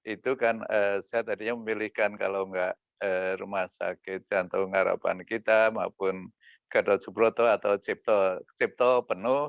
itu kan saya tadinya memilihkan kalau nggak rumah sakit jantung harapan kita maupun gadot subroto atau cipto penuh